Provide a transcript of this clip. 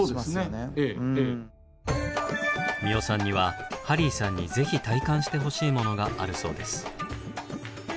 三尾さんにはハリーさんにぜひ体感してほしいものがあるそうです。